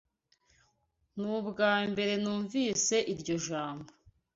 Nubwambere numvise iryo jambo.